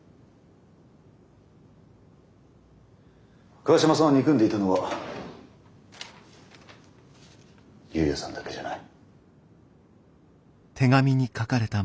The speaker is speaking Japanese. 川島さんを憎んでいたのは有也さんだけじゃない。